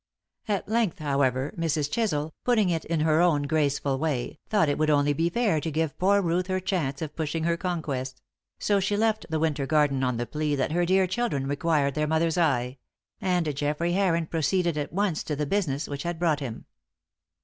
At length, however, Mrs. Chisel, putting it in her own graceful way, thought it would only be fair to give poor Ruth her chance of pushing her conquest; so she left the winter garden on the plea that her dear children required their mother's eye; and Geoffrey Heron proceeded at once to the business which had brought him.